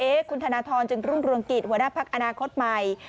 คุณธนทรจึงรุ่งรวงกิจหัวหน้าพักอนาคตใหม่